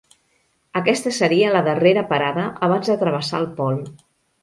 Aquesta seria la darrera parada abans de travessar el pol.